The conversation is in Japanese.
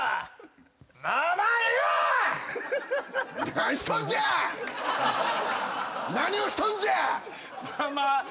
何をしとんじゃ！？